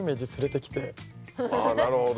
ああなるほど。